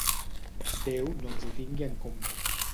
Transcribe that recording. Déu no ens ho tingui en compte.